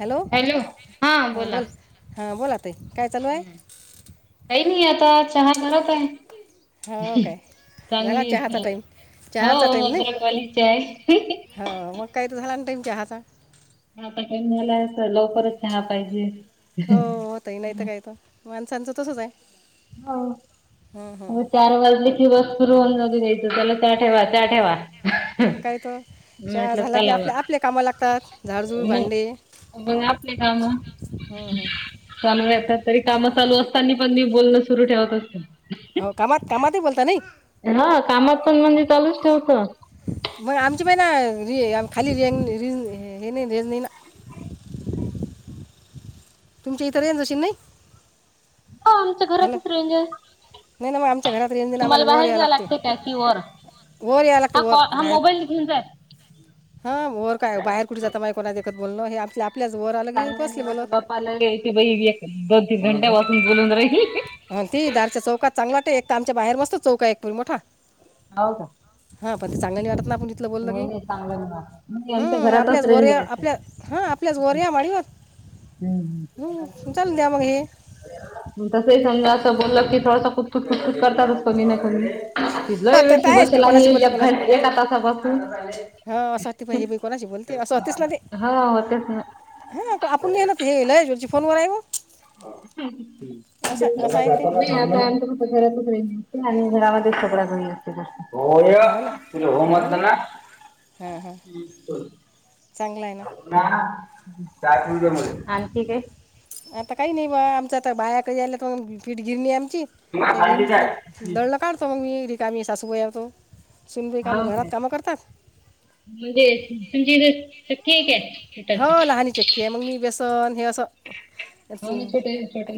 Hello हां बोल हां बोला. ताई काय चालू आहे हम् काही नाही आता चहा करत आहे. हो काय. झाला चांगली चहाचा टाईम हो चहाचा टाईम नाही भद्रकवाली चाय आहे. हो मग काहीत झालं ना टाईम चहा चा. म आता काय मला लवकरच चहा पाहिजे. हो हो तही नाहीत काय त माणसांच तसच हाय. हो चार वाजलेची बस सुर होऊन जात. [unintelligible] त्याला चा ठेवा चा ठेवा. मग काय त चहा म्हटलं झाला की चला आपल्या मग आपल्या कामा लागतात झाडजूळ भांडे. बर आपले काम. हं, हं. चालेतात तरी काम चालू असतानी पण मी बोलणं सुरू ठेवत असत. हो कामात कामातही बोलता नई. हा कामात पण म्हणजे चालूच ठेवतं. मग आमची बाई ना र खाली र र हे नाही रेंज नाही ना [inaudible] तुमच्या इत रेंज अशी नई. हो आमच्या घरातच रेजय! नाही ना मग आमच्या घरात रेंज नाही ना आम्हाला तुम्हाला वर बाहेर यायला जायाय लागते लागतय काय की वर? वर यायला लागते हा वर कॉ हा बाहेर मोबाईल घेऊन जाय. हा वर काय बाहेर कुठे जाता माया कोणादेखत बोलण हे आम [unintelligible] गप्पा लागले की बाई मी दोन, तीन घंट्यापासून बोलून राहीले ह ती दारच्या चौकात चांगला एक तर आमच्या बाहेर मस्त चौक एक परी मोठा. हौ का. हां पण ते चांगलं नाही वाटत ना आपण इथलं बोललं नाही की नाही चांगलय म्हणा आमच्या घरातच रेंज ह आपल्याच गोर या माडीवर ह् चालू द्या मग हे. [unintelligible] करणं असं काम बोललं की थोडासा कुटकुट कुटकुट करतातच कोणी ना कोणी. हा तिथलाही तर वेळशी काय आहेस का बसेल कोणाशी आहे बोलते घं कोणाशी बोलते एका तासापासून. हां असं वाटते पाहिजे बाई कोणाशी बोलते हा होतेच ना. हा आपण ना ते येल फोनवर आहे म [inaudible] असं आहे ना ते आणि घरामध्ये सगळ्या घरी येतो ग. होय हो ना तुला हो म्हणलं ना. हां हां चांगलं आहे ना आणखी काय. आता काही नाही बा आमच्या आता बायाका यायला त मग पीठगिरनिम. हो [unintelligible] दळलं काढतो मग मी रिकामी सासूबाईतो. सुनबाई कामं काय घरात कामं करतात. म्हणजे तुमच्या इथ चक्की हाय काय हो पिठाची. लहानी चक्की आहे मग मी बेसन हे असं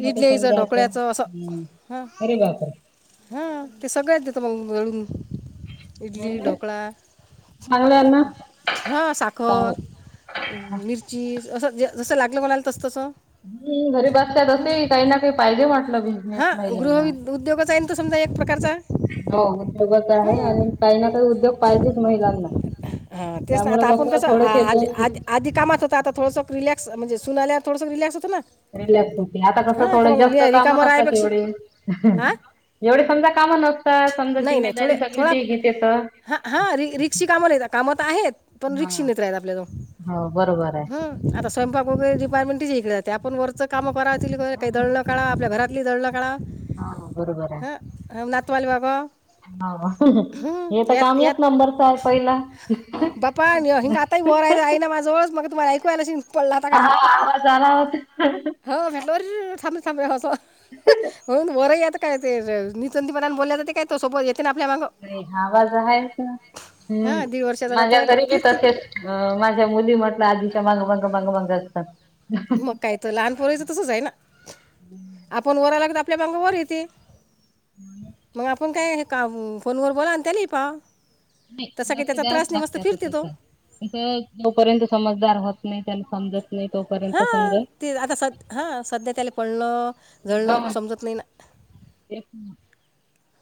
मोठे समजा ढोकळ्याचं असं हम्म. हं. अरे बापरे हा ते सगळ्याच देतं मग दळून हो इडली, ना ढोकळा. चांगलं आहे ना हा साखर, चांगलं मिरची असं जे जसं लागलं कोणाला तस तसं हम घरीबासल्या तसही काही ना काही पाहिजे म्हटलं बिजनेस महिलांना. त समजा एक प्रकारचा हो उद्योगच आहे हां आणि काही ना काही उद्योग पाहिजेच महिलांना. हा तेच ना त्यामुळे आता आपण कसं आ थोडेसे आ दोन आधी कामात होत आता थोडस म्हणजे सून आल्यावर थोडस रिलॅक्स. होतं ना रिलॅक्स होते आता कस हां तर थोडे मग जास्त नि- काम रिकामं नसतात राहायपेक्षा एवढे हां एवढे समजा कामा नसतात समजा जिम्मेदारी सगळी ते घेतेेत. हा हा रस्के काम नाही आता. कामात आहेत हा पण हो बरोबर आहे. [unintelligible] हम्म आता स्वयंपाक वगैरे डिपार्टमेंट तिच्याकडं आपण वरच काम करा त काही दळलं कळा आपल्या घरा आपली दळण कळा हा बरोबर आहे. [unintelligible] बाबा ह हे तर काम एक नंबरचय पहिला. बाप्पा हिंग आताही घोराय आहे ना माजा जवळ च् मग तुम्हाला ऐकू आलं असण पडला आता हा खाली आवाज आला होता. हो [unintelligible] म्हणून वर येत काय ते [unintelligible] आवाज आहे का? हां दीड वर्षाचा नातू माझ्या आहे तो घरी फिरते तसेच माझ्या मुली म्हटलं आधीच्या माग माग, माग, माग मग काही त लहानपोरीच तसच आहे ना, आपण वरा लागत [unintelligible] मग आपण काय का फोनवर बोला आणि त्यालाही पाव नाही लक्ष द्याच लागते तो त्याच त जोपर्यंत समजदार होत नाही. समंद हा ते आता सध हा सध्या त्याला पळण हा [unintelligible] समत नाही ना. तेच ना.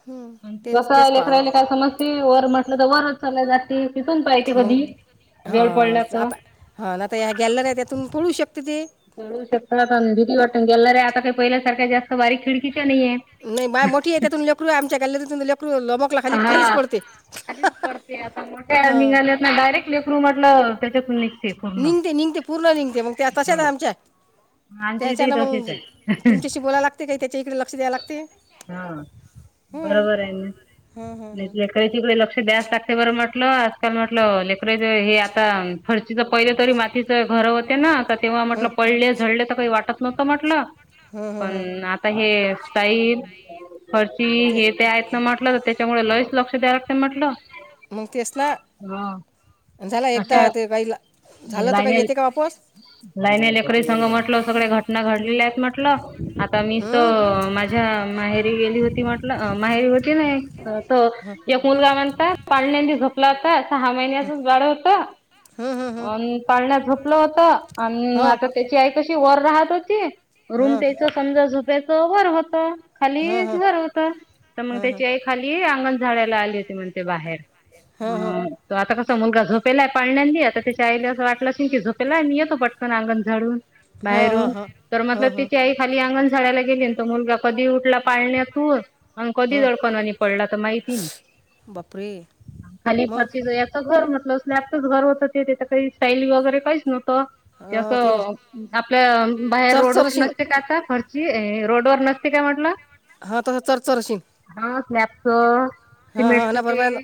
हं, तेच तेच कसं पाहावं लेकरायला काय लागतं समजते, वर म्हटलं तर वरच चालय जाती. मग हा तर आता हा आता या गॅलरी त्यातून पळू शकती पळू शकता आता काही पहिल्यासारख्या जास्त बारीक खिडकी नाही बाय मोठी आहे त्यातून लेकरू आमच्या गॅलरी तून लेक मोकला खाली खालीच हा पडते. खालीच पडते आता मोठ्या हां निघाल्यात ना डायरेक्ट लेकरू म्हटलं त्याच्यातून पूर्ण. निघते निघते पूर्ण निघते मग त्या तशच हा. आहे आमच्या आमच्या इथे त्याच्यान तसेच मग आहे. तुमच्याशी बोलाय लागते काही त्याच्या इकडे लक्ष द्याय लागते. हा हं. बरोबर आहे ना हं, हं, हं. लेकराच्या इकड लक्ष द्यास लागते बरं म्हटलं. म्हटलं लेकर हे आता फर्चीच पहिलं तरी माातीच घर होते ना तेव्हा म्हटलं पडलेच. वाटत नव्हत म्हटलं हं, हं, हं. पण आता हे स्टाईल फरची तेच हे ते आहेत ना म्हटलं तर त्याच्यामुळे लईच लक्ष द्याय लागत म्हटलं. मंग तेच ना हा झाला एकदा अशा ते बाईला झालं तर काही येते का वापस म्हटल सगळे घटना घडलेल्या आहेत म्हटलं, आता मीच अ हं? माझ्या माहेरी गेली होती. म्हटलं माहेरी ते नाही तो एक मुलगा म्हणता पाळण्यानी झोपला होता सहा महिन्याच बाळ होत. [inaudible] अन् पाळण्यात झोपलं होत आणि हो आता त्याची आई कशी वर राहत होती रूम हं, त्याच समजा झोप्याच वर होत. हं, खाली हं, घर होतं तर मग हं, हं. त्याची आई खाली अंगण झाडायला आली होती म्हणते बाहेर हं, हं. ह त आता कस मुलगा झोपेलाय पाळण्यांणी आता त्याच्या आईला असं वाटलं असेल की झोपेलाय आणि येतो पटकन अंगण झाडून हं, हं, बाहेरून हं. तर म हं, हं, तिची आई खाली अंगण झाडायला गेली. मुलगा कधी उठला पाळण्यात तून आणि कधी हं. दळकनवानी पडला तर माहिती बापरे खाली मग फरची याचं घर म्हटलं स्लॅपच घर होतं ते त्या काही स्टाईली वगैरे काहीच नवत ते आपल्या बाहेर रोडवरर चरचरशीन नसते का आता ख रोड वर नसते काय म्हटलं. हा तसं चरचरशील स्लॅबच सिमेंटच ते बरोबर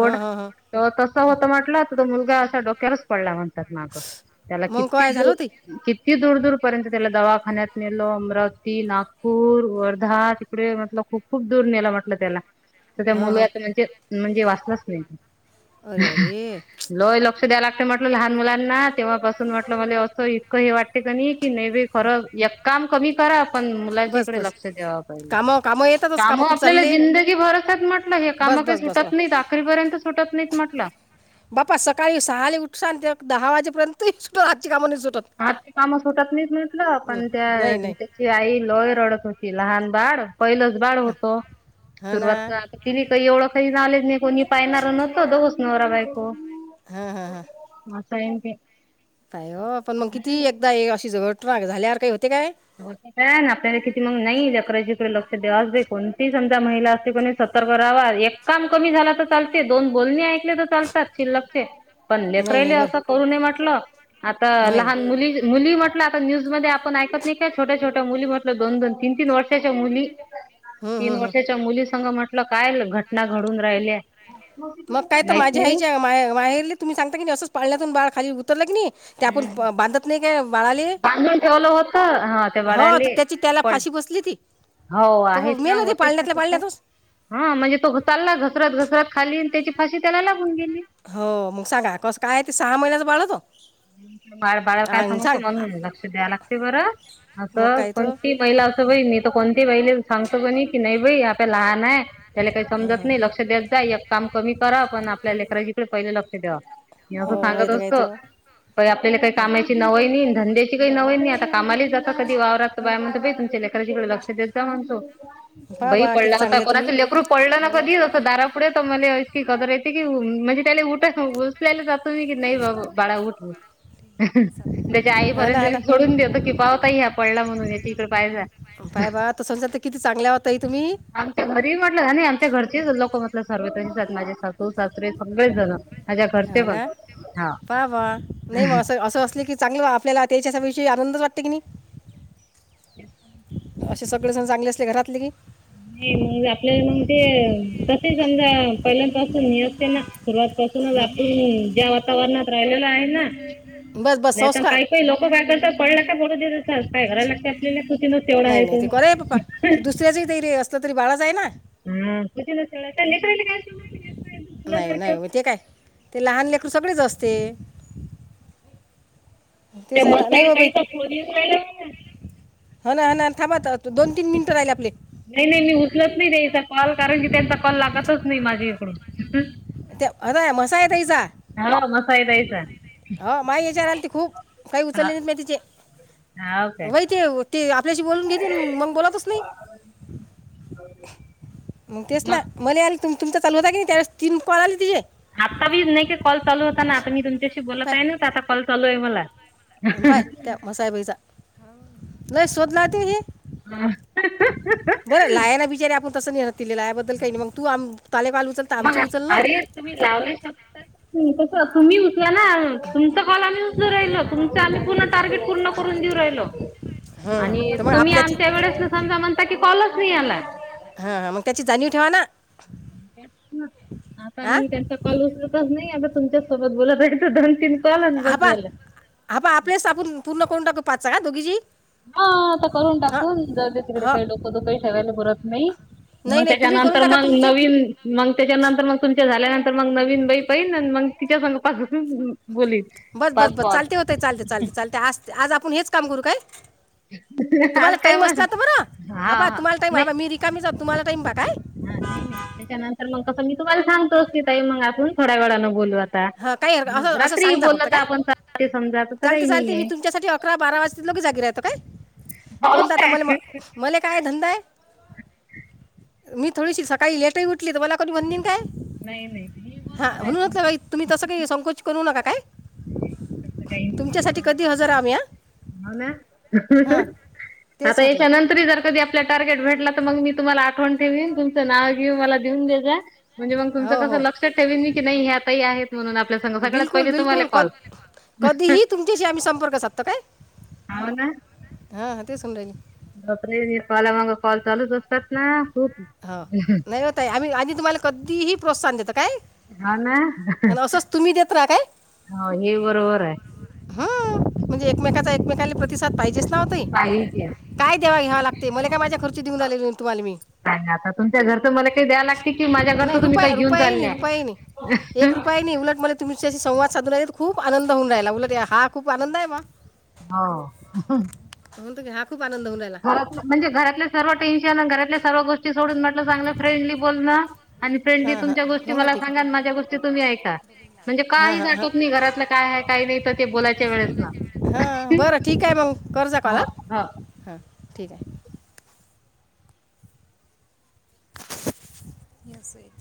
हां हां हां तर तस होत म्हटलं. मुलगा अस डोक्यावर पडला म्हणतात ना त्याला मग काय झालं किती होती क दूर दूर पर्यंत त्याला दवाखान्यात नेलो अमरावती, नागपूर, वर्धा तिकडे मल खूप खूप दूर नेला म्हटलं त्याला तर त्या हां हां मुलंता म्हणजे म्हणजे वाचलाच नाही. अरे अरे त्या्या म्हटलं लहान मुलांना तेव्हापासून वाट असं इतकं हे वाटते क की ने खरं एक काम कमी करा. पण मुलाच बस इकडे बस लक्ष द्यावा पाहिजे. कामं कामं येतातच काम कामं कुठं आपल्याला चालले जिंदगी भरसात म्हटलं हे काम बस काही बस बस सुटत बस नाहीत अखरीपर्यंत सुटत नाहीत म्हट ना बापा सकाळी सहाले उठसा ते दहा वाजेपर्यंत आज काम. हातची काम सुटत नाही म्हटलं न- पण त्या नाही नाही त्याची आई लय रडत होती लहान. बाळ पहिलंच बाळ होतो हां ना सुरुवात तिने काही ओळख. का नॉलेज नाही कोणी पाहिणार नव्हतो दोस नवरा बायको. हा हा ह असय न ते काय हो पण मग किती एकदा अशी झवट ना झाल्यार काही हो. ब पण आप क मग नाही जकडे जिकडे लक्ष द्यावाच कोणती समजा महिला असते कोणी सतर्क राहावा एककाम कमी झालं तर चालते दोन बोलणी ऐकले तर चालतात शिल्लक ते. पण लेकर नाही राहिले नाही असं बरं करु म्हटलं आता नाही लहान मुली मुली म्हटलं आता न्यूज मध्ये आपण ऐकत नाही का छोट्या छोट्या मुली म्हटल दोन दोन तीन तीन वर्षाच्या मुली हं, तीन हं, हं. वर्षाच्या मुली संघ म्हटलं काय घटना घडून राहिल्या. मग काय तर माहित माझ्या नाही आईच्या मा माहेरली तुम्ही सांगता की असंच पाळण्यातून बाळ खाली उतरलं क नाही. ते आपण बांधत नाही का बाळाले बांधून ठेवलं होतं हा त्या हो बाळाले त्याची त्याला पण फाशी बसली ती हो तर मग आहेच ना मेलं ते होतेच ना पाळण्यातल्या तसं. पाळण्यातच हा म्हणजे तो चालला घसरात घसरात खाली त्याची फाशी त्याला लाग हो मग सांगा कसं काय ते सहा महिन्याच बाळ. होतं बा बाळाला काय आणि समजते सांग आ- म्हणून लक्ष द्याय लागते बरं. मग असं काय तर कोणती महिला असं बा मी तर कोणती बहिले सांगतो कोणी की नाही बाई आपल्या लहान आहे. त्याला काही समजत नाही लक्ष द्याेत जाई एक काम कमी करा पण आपल्या लेकराजीकडे पहिले लक्ष द्या. मी असं हो नाही सांगत तर काय असतो. तर प आपल्याला काही कामाची नव नाही धंद्याची काही नव नाही आता कामाला जातात कधी वावराततं बायारे. तमच्या लेखरािककडे लक्ष देत जा म्हणतो. पहा बई बा किती पडला होता चांगले तुम्ही कोणाचं लेकरू पडलं हो नका ना दि असं दारा मला गदर ये क म्हठी [unintelligible] नाही बा बाळा उठ हो त्याच्या हो ना हो ना आईपर्यंत सोडून देतत की पावता ह्या पडला म्हणून याच्या इकड पाहिज बाय बा तो संमजा तर किती चांग आमच्या घरी म्हटलं आणि आमच्या घरचे लोक म्हट सर्व माझे सासू सासरे सगळेच जण माझ्या घरचे हो पण ना हा. पहा बा नाही मग असं असं असले की चांगलं आपल्याला त्याच्या सविषयी आनंदच वाटते की नाही. ते असे सगळे जण चांगले असले घरातले की. नाही मग आपल्याला मग ते तसे समजा पहिल्यापासून असते ना. सुरुवात पासूनच आपण ज्या वातावरणात राहिलेल आहे ना. बस बस नाही संस्कार काही काही लोक काय करतात पडला काय बोलू देत काय घरायला ला का आपल्याला कृतीनच तेवढा नाही आहे. नाही तो. ते करय पप् ते दुसऱ्याच तरी असलं तरी बाळाच आहे ना. हा क [unintelligible] न काय सम नाही नाही म ते काय ते लहान ल त सगळेच असते. ते तेच आहे ना नाही मसाई बाबा ताईचा फोन येऊन राहिला मला. होना होना. थांब दोन तीन मिनटं राहिला आपलं. नाही नाही मी उचलत नाही त्याचा कॉल कारण की त्यांचा कॉल लागतच नाही माझी इकडून. ते आताय मसाय तै जा. [unintelligible] ह माय याच्यावर आली ते खूप काही हा उचलले नाही तिचे. हाव काय. वहि ते ते आपल्याशी बोलून घेते मग बोलतच नाही. मग तेच ना मला आले त तुमचा चालू होता की नाही त्यावेळेस तीन पण आले तिथे. आता बी नाही का कॉल चालू होता ना आता मी तुमच्याशी बोलत आहे ना आता कॉल चालू आहे मला बाय त्या मसाबचा नाही शोधला ते ही. बरं लायाना बिचारीे आपण तस नेहत लायाबद्दल काही नाही मग तू तालेकाल उचल तर मग आमची उचल ना अरे तुम्ही लावले शकत तर कसं तुम्ही उचला ना तुमचा कॉल आम्ही उचलो राहिलो आम्ही पूर्ण टार्गेट पूर्ण कर ऊ राहिल हं आणि तर मग तुम्ही आपल्याची आमच्या वेळेस समजा म्हणता की कॉलच नाही आलात. हा हा मग त्याची जाणीव ठेवा ना ना आता हां मी त्यांचा कॉल उचलतच नाही आता तुमच्या सोबत बोलत आहे दोन तीन कॉल आणि बस हबा झालं. हबा आपलेस आपण पूर्ण कोण टाकू पाचचा का दोघीजी. हा आता करून टाकून जाऊदे तिकडे हां काही डोकं दोकंही ठेवायला बोलत नाही. मग नाही नाही तुम्ही करून त्याच्यानंतर टाका मग तुमचे नवीन मग त्याच्यानंतर मग तुम त झाल्यानंतर मग नवीन बाई पहिल मग तिच्या बोलीन. बस पाच बस बस कॉल. चालते होते चालते चालते चालते आज आपण हेच काम करू काय. आज तुम्हाला काय टाईम मग असला तर बर हा ह हा तुम्हाला टाईम नाही ह मी रिकामी तुम्हाला टाईम बघा. हा नाही नाही त्याच्यानंतर मग कसं मी तुम्हाला सांगतो की ताई मग आपण थोड्या वेळानं बोलू. आता. हा काय हर असं मग असं रात्री सांग जा बोललं फक्त तर काय आपण ते समजा तसं चालते काही चालते मी नाहीये. तुमच्यासाठी अकरा बारा वाजता लोके जागी राहते. काय हो कोणत आता काय म मला काय धंदा आहे. मी थोडीशी सकाळी लेटही उठली तर मला कध बनन काय? नाही नाही मी बरोबर आहे तुमचा. मी तसं काही संकोच करू नका काय. [unintelligible] तुमच्यासाठी कधी हजर आम्ही हां हो ना हां तेच आता म्हटलं याच्यानंतर जर कधी आपला टार्गेट भेटला तर मग मी तुम्हा आठव ठेन तुमच नाव घेऊन मला देऊन दे म्हणजे मग तुमच हो कसं हो लक्षात ठेन मी की नाही हे ताई आहेत. म्हणून आपल्या सं सगळ्यात बिलकुल पहिला तुम्हाला बिलकुल कॉल. कधीही तुमच्याशी आम्ही संपर्क साधतो काय हाव ना ह. [unintelligible] [unintelligible] कॉला मग कॉल चालूच असतात ना खूप हो नाही होत आम्ही आ तुम्हाला कधीही प्रोत्साहन देतात हा ना तुम्ही देत राहा हो हे बरोबर आहे. ह म्हणजे एकमेकाचा एकमेकाला प्रतिसाद पाहि तेच नाव्हत पाहिजे. काय देवा घ्यावा लागते मला काय माझ्या खर्ची देऊनले तुम्हाला मी. नाही आता तुमच्या घरचं मला काही द्याव लागते कि माझ्या घरच नाही तुम्ही रुपया काही घेऊन रुपयाही नाही चाललंय रुपयाही एक रुपया नाही उलट मला तुमच्याशी संवाद साधून खूप आनंद होऊन राहिला उलट हा खूप आनंद आहे म. हां की हा खूप आनंद होऊन राहिला घरात म्हणजे घरातले सर्व टेन्शन घरातल्या सर्व गोष्टी सोडट चां फ्रेंडली बोल आणि फ्रेंडली हां हां तुमच्या गोष्टी हां म का ठीक सांगा माझ्या गोष्टी तुम्ही ऐका. म्हणजे आहे हां काही हां जाटवत हां नाही घरातलं काय आहे काही नाही तर ते बोलायच्या वेळेस ना. हां बरं ठीक आहे मग करतजा कॉल हो हा हो. हां ठीक आहे. [inaudible]